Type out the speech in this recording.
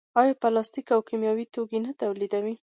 آیا پلاستیک او کیمیاوي توکي نه تولیدوي؟